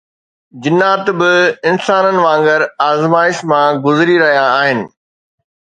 جنات به انسانن وانگر آزمائشن مان گذري رهيا آهن